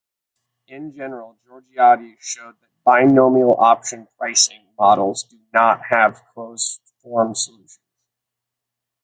In general, Georgiadis showed that binomial options pricing models do not have closed-form solutions.